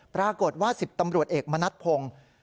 ปรากฏว่า๑๐ตำรวจเอกมณัฐพงศ์